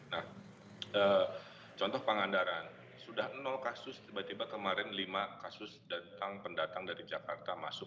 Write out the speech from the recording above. nah contoh pangandaran sudah kasus tiba tiba kemarin lima kasus datang pendatang dari jakarta masuk